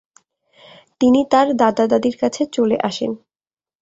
তিনি তার দাদা-দাদীর কাছে চলে আসেন।